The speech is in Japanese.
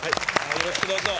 よろしくどうぞ。